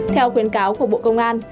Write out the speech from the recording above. theo khuyến cáo của bộ công an